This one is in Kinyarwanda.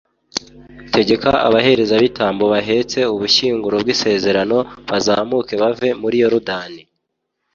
tegeka abaherezabitambo bahetse ubushyinguro bw’isezerano, bazamuke bave muri yorudani.